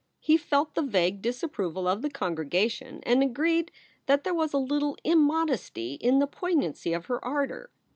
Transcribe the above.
He felt the vague disapproval of the congregation and agieed that there was a little im modesty in the poignancy of her ardor.